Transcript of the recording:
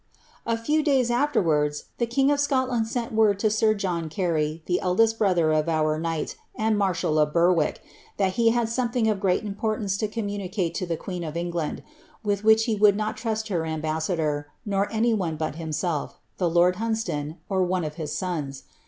A few days afterwards, the king of Scotland sent word to sir John 3uney, the eldest brother of our knight, and marshal of Berwick, that le had something of great importance to communicate to the queen if England, with which he would not trust her ambassador, nor any one Nit himself, the lord Hunsdon, or one of his sons.